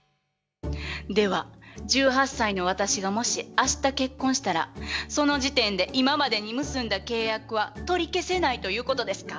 では１８歳の私がもし明日結婚したらその時点で今までに結んだ契約は取り消せないということですか？